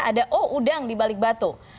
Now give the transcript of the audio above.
ada oh udang di balik batu